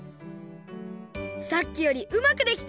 さっきよりうまくできた！